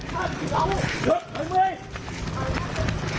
หยุดโดยมือ